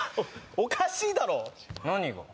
おかしいだろ何が？